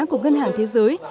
của ngân hàng thế giới